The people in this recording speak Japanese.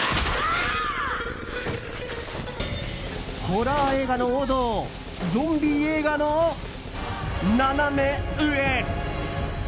ホラー映画の王道ゾンビ映画のナナメ上！